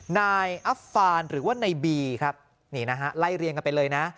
นายอัฟฟานหรือว่าในบีครับนี่นะฮะไล่เรียงกันไปเลยนะ